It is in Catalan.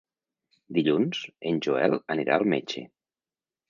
Dilluns en Joel anirà al metge.